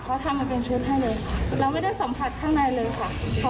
ประมาณสิบเอ็ดโมงเนอะ